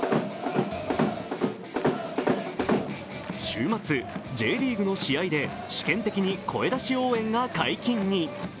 週末、Ｊリーグの試合で試験的に声出し応援が解禁に。